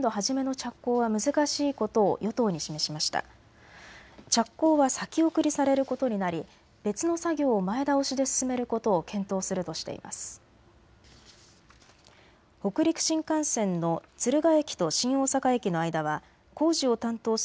着工は先送りされることになり別の作業を前倒しで進めることを検討するとしています。